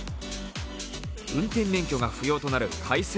運転免許が不要となる改正